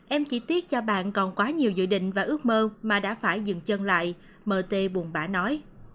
em chỉ tiết cho bạn còn quá nhiều dự định và ước mơ mà đã phải dừng chân lại mt bùng bã nói